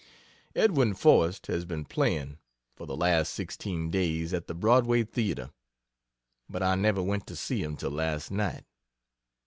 Edwin Forrest has been playing, for the last sixteen days, at the Broadway Theatre, but I never went to see him till last night.